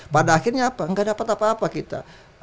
pada akhirnya apa nggak dapat apa apa kita